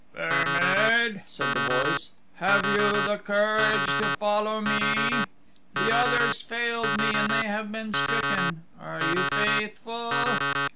"Fair Maid," said the voice, "have you the courage to follow me? The others failed me and they have been stricken. Are you faithful?"